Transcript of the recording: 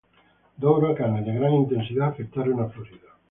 Dos huracanes de gran intensidad afectaron a Florida.